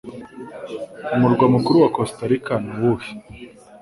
Umurwa mukuru wa Kosta Rika ni uwuhe?